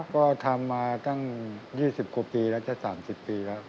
ก็ทำมาตั้ง๒๐กว่าปีแล้วจะ๓๐ปีแล้ว